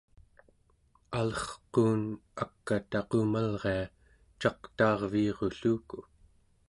alerquun ak'a taqumalria caqtaarviirulluku